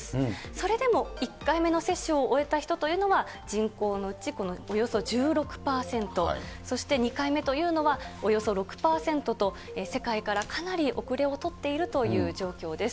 それでも１回目の接種を終えた人というのは、人口のうちおよそ１６％、そして２回目というのはおよそ６％と、世界からかなり後れをとっているという状況です。